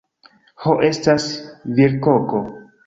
Ho, estas virkoko